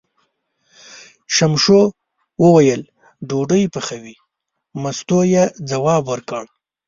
ششمو وویل: ډوډۍ پخوې، مستو یې ځواب ورکړ.